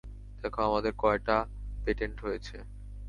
দেখো, আমাদের কয়টা প্যাটেন্ট হয়েছে?